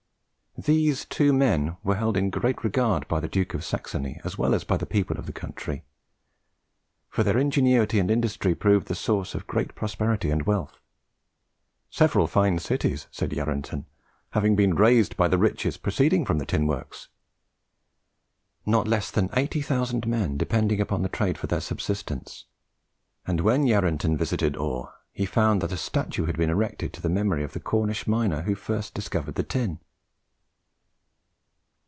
These two men were held in great regard by the Duke of Saxony as well as by the people of the country; for their ingenuity and industry proved the source of great prosperity and wealth, "several fine cities," says Yarranton, "having been raised by the riches proceeding from the tin works" not less than 80,000 men depending upon the trade for their subsistence; and when Yarranton visited Awe, he found that a statue had been erected to the memory of the Cornish miner who first discovered the tin.